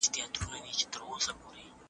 نن ورځ د سبا پیل دی.